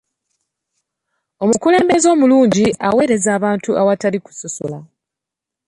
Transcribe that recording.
Omukulembeze omulungi aweereza abantu awatali kusosola.